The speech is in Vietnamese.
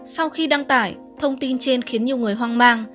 sau khi đăng tải thông tin trên khiến nhiều người hoang mang